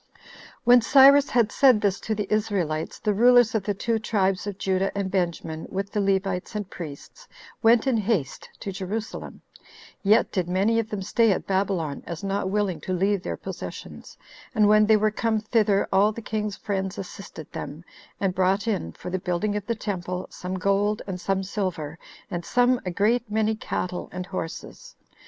3. When Cyrus had said this to the Israelites, the rulers of the two tribes of Judah and Benjamin, with the Levites and priests, went in haste to Jerusalem; yet did many of them stay at Babylon, as not willing to leave their possessions; and when they were come thither, all the king's friends assisted them, and brought in, for the building of the temple, some gold, and some silver, and some a great many cattle and horses.